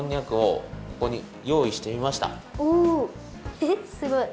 えっすごい。